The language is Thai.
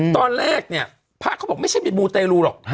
ตอนแรกเนี่ยพระเขาบอกไม่ใช่มีมูเตรลูหรอก